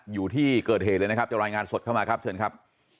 อยู่ที่เกิดเหตุเลยนะครับจะรายงานสดเข้ามาครับเชิญครับ